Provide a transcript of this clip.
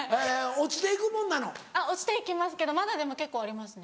落ちて行きますけどまだでも結構ありますね。